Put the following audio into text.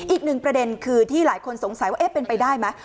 อีกหนึ่งประเด็นคือที่หลายคนสงสัยว่าเอ๊ะเป็นไปได้ไหม